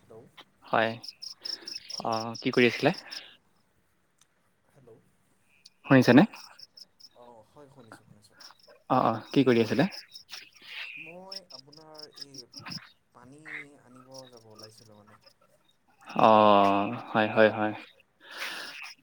Hello হয় অ হয় কি কৰি আছিলে হেল্ল' শুনিছে নে অ হয় শুনিছো শুনিছো অ' অ' কি কৰি আছিলে মই আপোনাৰ এই পানী আনিব যাব ওলাইছিলো মানে অ হয় হয়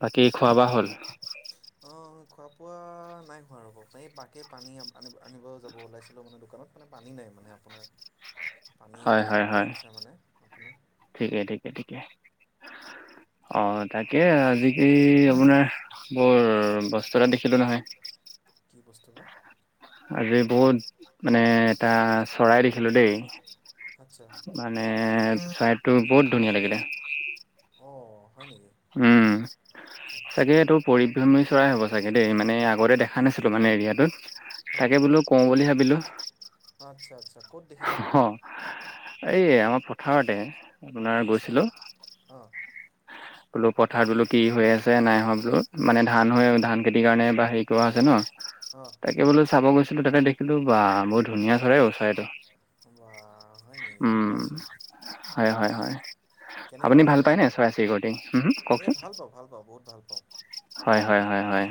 বাকী খোৱা বোৱা হ'ল অ খোৱা বোৱা নাই হোৱা ৰ'ব এই বাকে পানী আ আনিবও যাব ওলাইছিলো মানে দোকানত মানে পানী নাই মানে আপোনাৰ পানী হয় কিনিব হয় লগা হয় হৈছে মানে আপোনাৰ ঠিকে ঠিকে ঠিকে [inaudible] অ তাকে আজিকালি আপোনাৰ বৰ বস্তু এটা দেখিলোঁ নহয় কি বস্তু বা আজি বহুত মানে এটা চৰাই দেখিলোঁ দেই আচ্ছা মানে চৰাইটো বহুত ধুনীয়া লাগিলে অ। উম চাগে এইটো পৰিভ্ৰমী চৰাই হ'ব চাগে দেই মানে, আগতে দেখা নাছিল। আছিলো, মানে এৰিয়াটোত। অঁ তাকে বোলো, কওঁ বুলি ভাবিলো আচ্ছা আচ্ছা ক'ত দেখিলে বা অ। এই আমাৰ পথাৰতে। আপোনাৰ আচ্ছা গৈছিলোঁ আহ। বোলো পথাৰ বোলো কি হৈ আছে নাই হোৱা বোলো মানে ধান অঁ হৈ ধান খেতিৰ কাৰণে বা হে, আছে ন, অঁ তাকে বোলো চাব গৈছিলো তাকে দেখিলো বা বহুত ধুনীয়া চৰে ওচৰাইটো। বা হয় নেকি বঢ়িয়াছো। হয় হয় আপুনি ভাল পায় নে, চৰাইটো চৰাই চিৰিক এই কওঁকচোন ভাল পাওঁ ভাল পাওঁ বহুত ভাল পাওঁ হয়, হয়। হয় হয়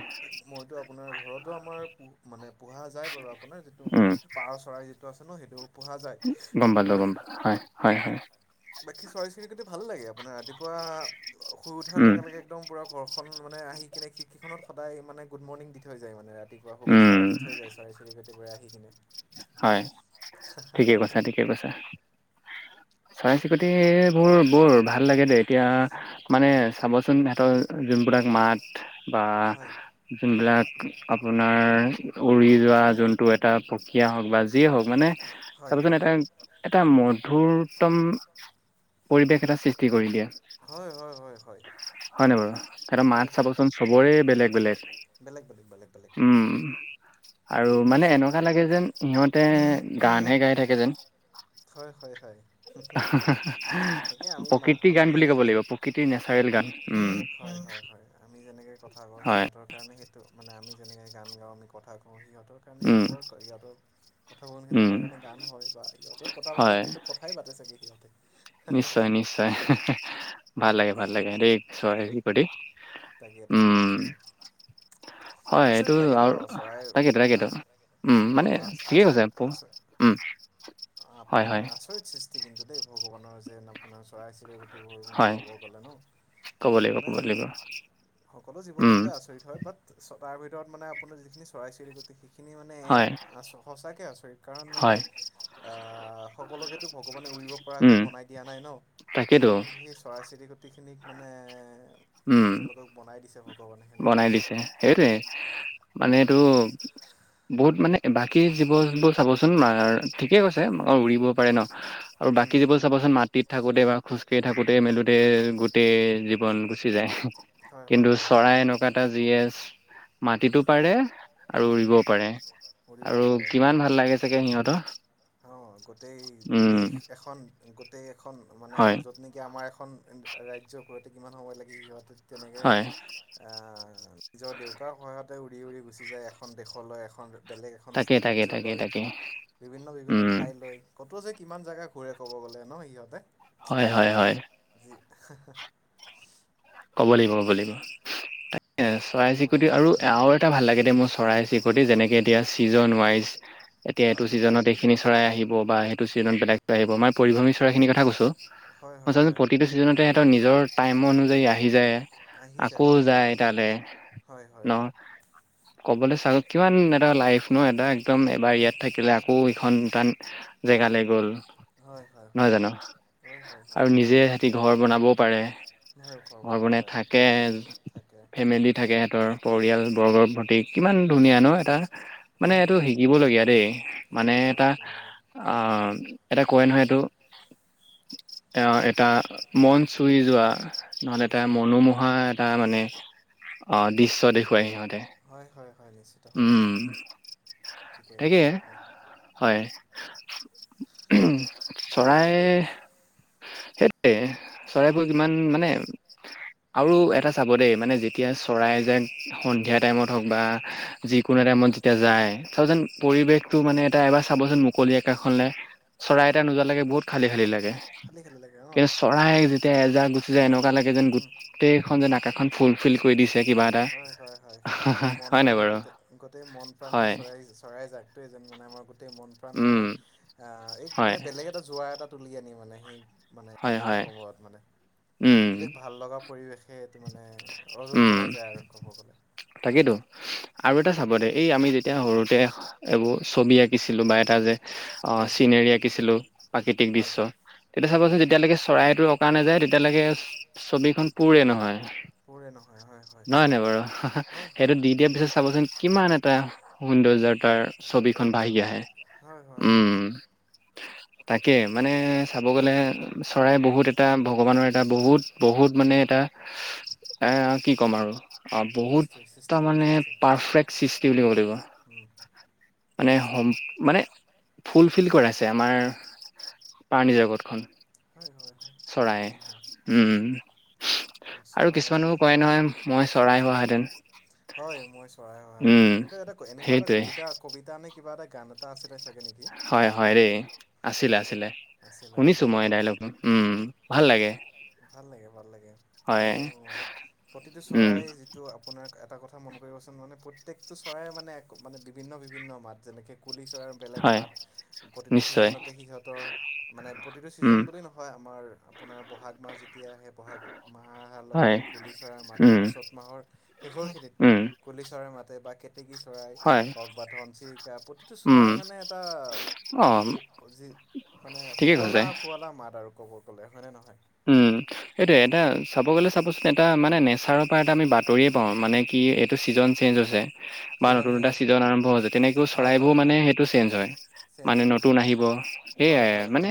মইতো আপোনাৰ ঘৰতো আমাৰ মানে পোহা যায় বাৰু আপোনাৰ যিটো উম। পাৰ চৰাই যিটো আছে ন' সেইটো পোহা যায় গম পালো, আপোনাৰ গম পালো। ভালে লাগে আপোনাৰ ৰাতিপুৱা শুই উঠাৰে উম লগে একম পুৰা মানে আহি কিনে খিৰীকিখনত সদায় মানে গুড মৰ্ণিং দি থৈ যায় মানে ৰা ৰাতিপুৱা শুেচ্ছ উম এটা দি থৈ যায় মানে চৰাই চিৰিকটি কিনে হয়, ঠিকে কৈছা, ঠিকে কৈছা। চৰাই চিৰিকতিবোৰ বৰ ভাল লাগে দেই এতিয়া মানে চাবচোন সিহঁতৰ যোনবিলাক মাত বা হয় যোনবিলাক আপোনাৰ উৰি যোৱা যোনটো এটা সিয় হওঁক বা যিয়ে হওঁক মানে হয় চাবচোন হয় এটা এটা মধুৰতম পৰিৱেশ এটা সৃষ্টি কৰি দিয়ে। হয়, হয়, হয়, হয়। হয় নাই বাৰু স মাছ হয় হয় চাবচোন চবৰে বেলেগ বেলেগ। বেলেগ, বেলেগ, বেলেগ, বেলেগ। উম আৰু মানে চব এনেকুৱা লাগে যেন সিহঁতে গানহে গাই থাকে যেন। হয়, হয়, হয়। একে আমি মা প্ৰকৃতিৰ গান মানুহে বুলি ক'ব যেনে লাগিব প্ৰকৃতিৰ নেচাৰেল গান। উম হয়, হয়, হয় আমি যেনেকে কথা কওঁ হয় সিহঁতৰ কাৰণে সেইটো মানে আমি যেনেকৈ গান গাওঁ আমি কথা কওঁ সিহঁতৰ কাৰণে উম সেইবোৰৰ সিহঁতৰ কথাবখিনি উম আমাৰ কাৰণে গান হয় বা সহঁতৰ কথা পাতি হয় সেইটো কথাই পাতে চাগে সিহঁতে নিশ্চয়, নিশ্চয়, ভাল লাগে, ভাল লাগে, [unintelligible] তাকে, তাকে উম আপোনাৰ হয় এইটো আচৰিত লাগে ন আৰু চৰাই তাকেইেতো হা তাকেইেতো উম, অঁ মানে আচ- ঠিকে কৈছে আচৰিত পৌ আচ উম। হয় আপোনাৰ হয় আচৰিত সৃষ্টি কিন্তু দেই ভগৱানৰ যেন আপোনাৰ চৰাই-চিৰি হয় ক'ব লাগিব, মানে ক'ব জ- লাগিব। সকলো উম জীৱ-জন্তুৱে আচৰিত হয় বাট তাৰ ভিতৰত মানে আপোনাৰ যিখিনি চৰাই-চিৰিকটি সেইখিনি মানে হয় এ সঁচাকৈ আচৰিত কাৰণ মানে হয় অ', সকলোকেতো ভগৱানে উৰিব উম পৰাকৈ বনাই দিয়া নাই ন' তাকেইতো কিন্তু সেই চৰাই খেতি খতিখিনিক মানে উম তেওঁলোকক বনাই দিছে ভ বনাই দিছে সেইটোৱে মানে এইটো বহুত মানে বাকী জীৱবোৰ চাবচোন ঠিকেই কৈছে উৰিব পাৰে ন আৰু বাকী উম, যিবোৰ চাবচোন মাটিত থাকোতে বা খোজকাঢ়ি থাকোঁতে মেলোতে গোটেই জীৱন গুচি যায়। হয়, হয়, কিন্তু হয়। চৰাই এনেকুৱা এটা জি এছ মাটিতো পাৰে আৰু উম, উৰিবও পাৰে। উৰিবও আৰু পাৰে। কিমান ভাল লাগে চাগে সিহঁতৰ। অ', গোটেই উম, দেশ এখন গোটেই এখন মানে হয়, য'ত নেকি আমাৰ এখন ৰাজ্যৰ ঘৰতে কিমান সময় লাগে সিহঁতে তেনেকে হয়, আহ, নিজৰ দেউকাৰ সহতে উৰি উৰি গুচি যায় এ এখন দেশলৈ এখন বেলেগ এখন তাকে, তাকে, ৰাজ্য তাকে, লয় তাকে, বিভিন্ন বিভিন্ন উম, ঠাই ললৈ ক'তো যে ইমান জেগা ঘূৰে ক'ব গ'লে ন' সিহঁতে। হয়, হয়, হয়। [inaudible] ক'ব লাগিব, ক'ব লাগিব। এ সঁচাকে চৰাই-চিৰিকটি আৰু ভগৱানৰ আৰু এটা ভাল লাগে দে মোৰ চৰাই চৰিকটি যেনেকে এতিয়া চিজন ৱাইজ এতিয়া এইটো হয় ছিজনত এইখিনি চৰাই আহি হ' বা সেইটো ছিজন বেলেকৈ আহিব মই পৰিভমী মানে চৰাখিনিৰ কথা কছোঁ হয় মই হয় চোন হয় প্ৰতিটো ছিজনতে সিহঁতৰ নিজৰ টাইম অনুযায়ী আহি যায় আহি আকৌ আহি অ যায় তালে হয় হয় ন হয় ক'বলৈ চাওঁ কিমান এটা লাইফ ন এটা একদম এবাৰ হয় ইয়াত থাকিলে আকৌ এইখন তাত জেগাালৈ গ'ল হয় হয় নহয় হয় জানো হয় হয় হয় আৰু নিজে সিতি ঘৰ বনাবও পাৰে নহয় ঘৰ বনাব [unintelligible] পাৰে থাকে থাকে ফেমিলি থাকে সহঁতৰ পৰিয়াল হয় বৰ্গৰ প্ৰতি কিমান ধুনীয়া ন এটা মানে উম এইটো শিকিব দলগীয়া দেই মানে শিকিব লাগে এটা শিকিব লাগে অ এতা কই নহই এটো অ এটা মন চুই যোৱা নহ'লে মন এটা চুই যোৱা মনোমোহা এটা মানে অ দৃশ দেখুৱাই সিহঁতে হয় হয় নিশ্চিত হয় উম ঠিকে কৈছে আপুনি উম ভাল চৰাই লাগে দেই সেইটোৱে চৰাইবোৰ কিমান মানে আৰু এটা চাব দেই মানে যেতিয়া চৰাই যাক সন্ধিয়া টাইমত হওক বা যিকোনো টাইমত যেতিয়া যায় চ যেন পৰিৱেশটো মানে এটা এবাৰ চাবচোন মুকলি আকাখনলে চৰাই এটা নোযোৱালৈকে বহুত খালি খালি লাগে খালী খালী লাগে কিন্তু অঁ চৰাই যেতিয়া এজাক গুচি যায় এনেকুৱা লাগে যেন গোটেইখন যেন এখন ফুল ফিল কৰি দিছে কিবা এটা হয় হয় হয় হয় আমাৰ মন হয় নাই প্ৰাণ বাৰু গোটেই গোটেই মন প্ৰাণ সেই হয় চৰাই চৰাই জাকটোৱে যেন মানে আমাৰ গটেই গ মন প্ৰাণ মানে উম আহ এই হয় মানে বেলেগ এটা জোৱা এটা তুলিয় আনি মানে সেই মানে হয় সেইটো হয় সময়ত মানে উম এতি ভাল লগা পৰিৱেশে এইটো মানে অজন জনাই যায় আৰু ক'ব গ'লে তাকেইেতো আৰু এটা চাব দে এই আমি যেতিয়া সৰুতে এইবোৰ ছবি আঁকিছিলোঁ বা এটা যে অ হয় চিনেৰি আঁকিছিলো প্ৰাকৃতিক হয় দৃশ্য তেতিয়া চাবচোন হয় যেতিয়ালৈকে চৰাইতো অঁকা নাযায় তেতিয়ালৈকে ছবিখন পোৰে নহয় পৰে ন নহয় নাই বাৰু সেইটো দি হয় দিয়াৰ পিছত চাবচোন কিমান এটা সৌন্দৰ্য তাৰ ছবিখন সৌন্দৰ্য বাাহি আহে হয় হয় হয় উম তাকে মানে চাব গ'লে চৰাই বহুত এটা ভগৱানৰ এটা বহুত বহুত মানে এয়া এ কি ক'ম আৰু অ সৃষ্টি বহুত সৃষ্টি তাৰমানানে সৃষ্টি পাৰফেক্ট সৃষ্টি বুলি ক'ব লাগিব মানে হম মানে ফুলফিল কৰাইছে আমাৰ পাৰণী জগতখন হয় হয় হয় চৰাই একদম উম আৰু চৰাই কিছুমানো হয় নহয় মই চৰাই হোৱাহেঁতেন হয় মই চৰাই অহেতেন উম এইটো এ এনেকুৱা এটা সেইটোৱে কবিতা কবিতা নে কিবা এটা গান এটা আছিলে চাগে নেকি হয় হয় ৰে আছিল আছিলে শুনিছো আৰু মই জ্যোতি ডাইলগটো অ উম ভাল লাগে ভাল লাগে ভাল লাগে হয় আৰু প্ৰতিটো উম চৰাই যিটো আপোনাৰ এটা কথা মন কৰিবচোন মানে প্ৰত্যেকটো চৰাই মানে এক মানে বিভিন্ন বিভিন্ন মাত যেনেকৈ পুলি চৰা বেলেগ হয় মাত প্ৰতিটো নিশ্চয় ছিজনতে সিহঁতৰ মানে প্ৰতিটো উম ছিজন বুলি নহয় আমাৰ আপোনাৰ বহাগ মাছ তেতিয়া আহে বহাগ মাহ অহাৰ লগে হয় লগে কুলি চৰাইৰ মাতে উম বা চ'ত মাহৰ উম শেষৰখিনিত কুলি চৰাই মাতে বা কে কেতেকী চৰাই হয় হওঁক বা ঘনচিৰিকা প্ৰতিটো উম চৰাই মানে এটা অ যি মানে ঠিকে কৈছে শুৱলা শুৱলা মাত আৰু ক'ব গ'লে হয়নে নহয়? উম সেটোয়ে এটা চাব গ'লে চাবচোন এটা মানে নেচাৰৰ পৰা এটা আমি বাতৰিয়ে পাওঁ মানে কি এইটো ছিজন চেঞ্জ হৈছে। বা ছিজন নতুন হৈ এটা গৈছে ছিজন আৰম্ভ হৈছে তেনেকেও হয় চৰাইবোৰো হয় মানে হয় সেইটো চেঞ্জ হয়। চেঞ্জ মানে হয় নতুন আহিব, হয় সেয়াই হয় মানে হয়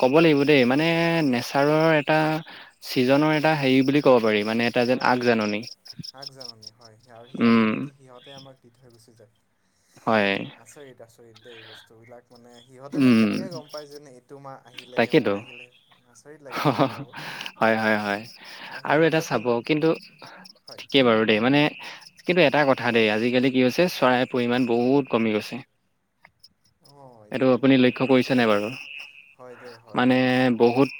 ক'ব লাগিব দেই মানে নেচাৰৰ এটা চিজনৰ এটা হেৰি বুলি ক'ব পাৰি মানে এটা যেন হয় হয় আগজাননী আগজননী হয় আৰু সেই উম আগজাননীটো সিহঁতেই আমাক দি থৈ গুচি যায়। হয়। ত এই বস্তু বিলাক মানে সিহঁতে যেন উম কেনেকে গম পায় যেন এইটো মাহ আহিলে তাকেতো! অমুক আহিলে আচৰিত লাগে ন কথাবোৰ হয় হয় হয় আৰু এটা চাব কিন্তু হয় ঠিকেই বাৰু দেই মানে কিন্তু এটা কথা দেই, আজিকালি কি হৈছে চৰাইৰ পৰিমাণ বহুত কমি গৈছে। এইটো আপুনি লক্ষ্য কৰিছে হয় নাই দেই বাৰু? হয় দেই হয় মানে হয় বহুত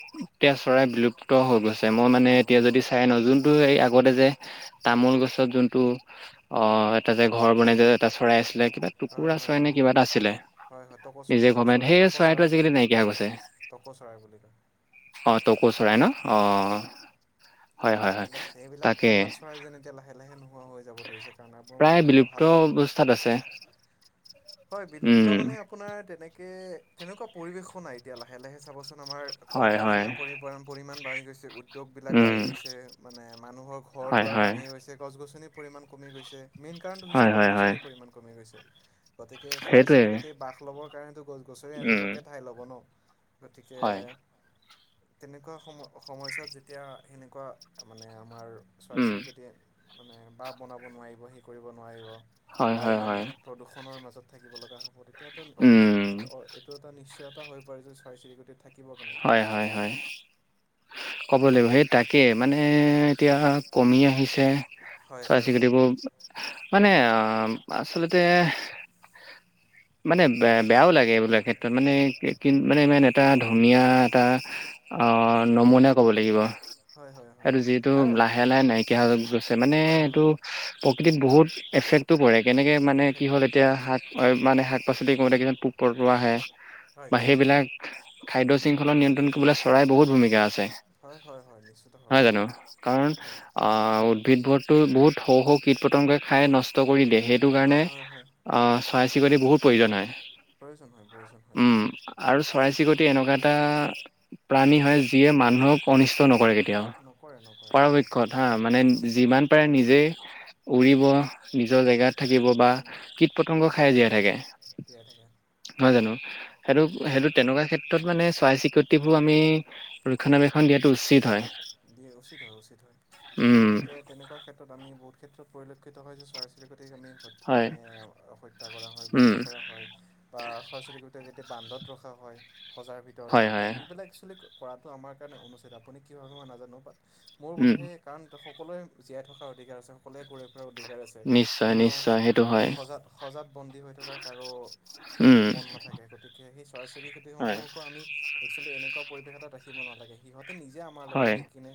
তেজ চৰাই বিলু প্ত হৈ গৈছে। মই মানে হৈ এতিয়া যদি গৈছে চাই ন' যোনটো এই আগতে যে তামোল গছত যোন- টো অ এটা যে ঘৰ বনাই যে এটা চৰাই আছি- লে কিবা হয় টুকুৰা হয় চৰাই নে হয় কিবা হয় এটা আছিলে। হয় হয় টকৌ চ, নিজে টকৌ গম পাই চৰাই, সেই টকৌ চৰাইটো চৰাই, আজিকালি নাইকিয়া হৈ গৈছে টকৌ চৰাই বুলি কয়। অ টকৌ চৰাই ন? হয় অঁ! এইবিলাক, এইবিলাক, এইবিলাক চৰাইযেন এতিয়া লাহে লাহে নোহোৱা হৈ- যাব ধৰিছে কাৰণ আপোনাৰ প্ৰায় এইটো ভাল বিলুপ্ত অৱস্থাত আছে। হয়, বিলুপ্ত উম মানে আপোনাৰ তেনেকে, তেনেকুৱা পৰিবেশো নাই এতিয়া লাহে লাহে চাবচো- ন, আমাৰ হয় হয় কল-কাৰখানা পৰিবান, পৰিমাণ বাঢ়ি গৈছে উদ্যোগ বিলাক উম বাঢ়ি গৈছে মানে মানুহৰ ঘৰ হয় দুৱাৰ হয় বাঢ়ি গৈছে, গছ-গছনিৰ পৰিমাণ কমি গৈছে, মেইন কাৰণটো হয় হৈছে হয় হয় গছ-গছনিৰ পৰিমাণ কমি গৈছে। গতিকে, সেইটোৱে চৰাই-চিৰিকতি বাস ল'বৰ কাৰণেতো গছ-গছৰে উম এজোপাকৈ ঠাই ল'ব ন? গতিকে, হয় তেনেকুৱা সময়, সময়ছোৱাত যেতিয়া সেনেকুৱা মানে আমাৰ চৰাই উম -চিৰিকঁটিয়ে মানে বাহ বনাব নোৱাৰিব সেই কৰিব নোৱাৰিব। হয় বা হয় ইমান হয় প্ৰদূষণৰ মাজত থাকিব লগা হ'ব, তেতিয়াটো অবভি উম অ এইটো এটা নিশ্চ- য়তা হৈ পৰি যে চৰাই-চিৰিকতি- হয় হয় হয়। ক'ব লাগিব, সেই তাকে মানে এতিয়া কমি আহিছে। হয় হয় হয় চৰাই-চিৰিকতিবোৰ, মানে অ' আচলতে মানে বে, বেয়াও লাগে এইবিলাক ক্ষেত্ৰত মানে কি মানে ইমান এটা ধু- নীয়া এটা হয় অ' নমুনাই ক'ব লাগিব। হয় হয় হয় সেইটো যিহেতু আৰু লাহে লাহে নাইকিয়া হৈ গৈছে মানে হয় এইটো হয় প্ৰকৃতিক বহুত এফেক্টটো পৰে কেনেকে মানে কি এফেক্ট হ'ল কৰে এতিয়া শাক মানে শাক-পাচলি কোৰোতে কিছুমান পোক-পৰুৱা আহে, হয় বা সেইবিলাক খাদ্য- শৃংখলা নিয়ন্ত্ৰণ কৰিবলৈ চৰাইৰ বহুত ভূমিকা আছে, হয় হয় হয় নিশ্চিতভাৱে নহয় জানো? কাৰণ হয় হয় অ উ- দ্ভিদবৰটো বহুত সৰু সৰু কীট পতংগই খাই নষ্ট কৰি দিয়ে সেইটো কাৰণে হয় হয় হয় অ' চৰাই-চিৰিকঁটিৰ বহুত প্ৰয়োজন হয় প্ৰয়োজন হয় প্ৰয়োজন হয় উম আৰু চৰাই-চিৰিকঁ- এটা প্ৰাণী হয়, যিয়ে মানুহক অনিষ্ট নকৰে কেতিয়াও নকৰে নকৰে নকৰে পৰাপক্ষত হা মানে যিমান পাৰে নিজেই উৰিব নিজৰ জেগাত থাকিব বা কীট-পতংগ খাইয়ে জীয়াই থাকে। তিয়াই থাকে নহয় জানো? সেইটো, হয় সেইটো হয় তেনেকুৱা ক্ষে- ত্ৰত মানে চৰাই-চিৰিকঁটিবোৰ আমি ৰক্ষণাবেক্ষণ দিয়াটো উচিত হয়। দিয়ে, উচিত হয়, উচিত হয় উম গতিকে তেনেকুৱা ক্ষেত্ৰত আমি বহুত ক্ষেত্ৰত পৰিল- ক্ষিত হয় যে চৰাই-চিৰিক টিক আমি হত হয় মানে হত্যা কৰা হয় বা উম শেষ কৰা হয় বা [unintelligible] বান্দত ৰখা হয় সজাৰ ভিতৰত হয় হওক বা হয় এইবিলাক একচলি- কৰাটো আমাৰ কাৰণে অনুচিত আপুনি কি ভাবে মই নাজানোত মোৰ উম বোধে কাৰণ। সকলোৱে জীয়াই থকাৰ অধিকাৰ আছে, সকলোৱে কৰে অধিকাৰ আছে, নিশ্চয় কোনেও নিশ্চয় সেইটো হয় সজ সজাত বন্দী হৈ থকাৰ কাৰো সেই, উম মন নাথাক গতিকে সেই চৰাই চৰি হয় ক্ষতিসমূহকো আমি একেল এনে, এনেকুৱা পৰিৱেশ এটা ৰাখিব নালাগে। সিহঁতে নিজে আমাৰ লগত হয় আহি কিনে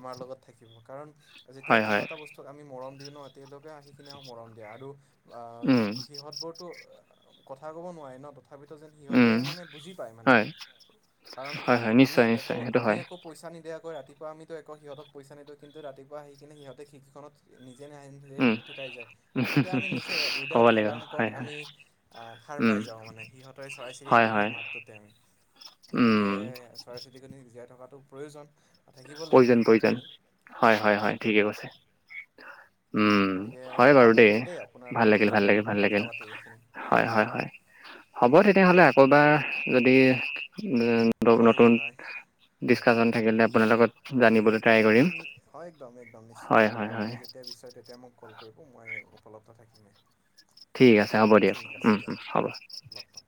আমাৰ লগত থাকিব কাৰণ, যেতিয়া হয় হয় কিবা এটা বস্তুত আমি মৰম দিওঁ ন, তেওঁতিয়ালৈোকে আহি কিনে মৰম দিয়া আৰু অ উম সিহঁত বোৰতো কথা কব নোৱাৰি ন। তি তথাপিতো যেন উম সিহঁতে মানে, বুজি পায় মানে হয় কাৰণ হয় হয় আমি নিশ্চয় একো নিশ্চয় সেইটো আমি হয় একো পইচা নিদিয়া। ৰাতিপোৱা আমিতো একৌ সিহতক পইচা নিদিওঁ। কিন্তু ৰাতিুৱা আহি কিনে সিহঁতে শিকিখনত নি, যেনে [unintelligible] উম থুকাই যাক তেতিয়া আমি নিজে ক'ব উইদাউট লাগিব এলাৰ্ম হয় কওক হয় আমি সাৰ উম পাই, যাওঁ মানে, সিহঁতে চৰাই চিৰি হয় গ হয় সেই মাতটো তেওঁ গতিকে উম চৰাই চিৰিকতি জীয়াই থকাটো প্ৰয়োজন। থাকিব লাগিব প্ৰয়োজন প্ৰয়োজন সিহঁতখিনি হয় হয় হয় গতিকে ঠিকে কৈছে উম গতিকে হয় ভাল বাৰু দেই লাগিলে আপোনাৰ ভাল লগত লাগিল ভাল এইবিলাক লিল ভাল কথা লাগিল পাতি এইখিনি হয় হয় হয় হ'ব তেতিয়াহ'লে আকৌবাৰ যদি উ হয় নতুন ডিচকাচন থাকিলে আপোনাৰ লগত জানিবলৈ ট্ৰাই কৰিম অ একদম একদম নিশ্চিত হয় ভাৱে হয় হয় আপুনি যেতিয়া বিচাৰে তেতিয়া মোক কল কৰি মই উপলব্ধ থাকিমেই ঠিক আছে হ'ব দিয়ক ঠিক আছে উম দিয়ক হ'ব লগ পাম